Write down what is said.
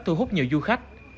thu hút nhiều du khách